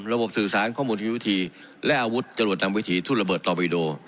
สื่อสารข้อมูลที่วิธีและอาวุธจรวดทำวิถีทุ่นระเบิดตอบิโด